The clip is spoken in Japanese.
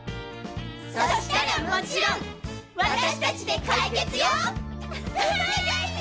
そしたらもちろん私達で解決よ！